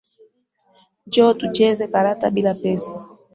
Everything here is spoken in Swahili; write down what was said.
Njoo tucheze karata bila pesa